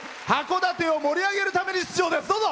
函館を盛り上げるために出場です。